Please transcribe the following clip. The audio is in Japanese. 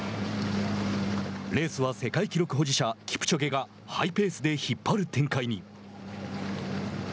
レースは世界記録保持者キプチョゲがハイペースで引っ張る展開に。